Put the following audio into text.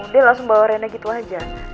dia langsung bawa rennya gitu aja